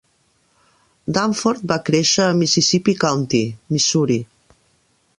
Danforth va créixer a Mississippi County, Missouri.